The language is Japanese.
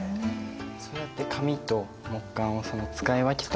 そうやって紙と木簡を使い分けてた。